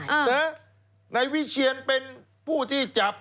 อืมนะในวิเชียรเป็นผู้ที่จับ